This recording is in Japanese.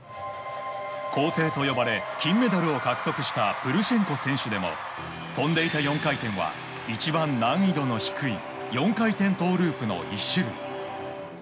皇帝と呼ばれ金メダルを獲得したプルシェンコ選手でも跳んでいた４回転は一番難易度の低い４回転トウループの１種類。